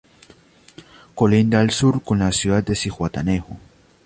Colinda al sur con la ciudad de Zihuatanejo.